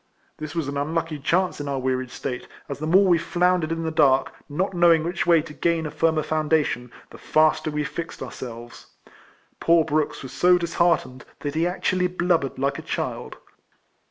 This was an unlucky chance in our wearied state, as the more we floundered in the dark, not know ing which way to gain a firmer foundation, the faster we fixed ourselves. Poor Brooks was so disheartened, that he actually blub bered like a child.